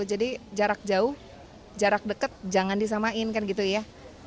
jadi jarak jauh jarak dekat jangan disamakan gitu ya